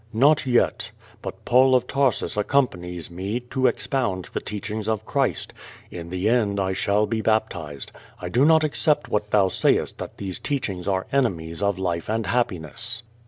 "Not yet. But Paul of Tarsus accompanies me, to expound the teachings of Christ. In the end 1 shall be baptized. I do 270 Q^^^ VADIS, not accept what thou sayost that these teachings are enemies of life and happiness."